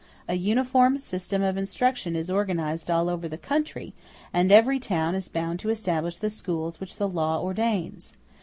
A uniform system of instruction is organized all over the country, and every town is bound to establish the schools which the law ordains.